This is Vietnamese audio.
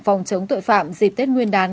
phòng chống tội phạm dịp tết nguyên đán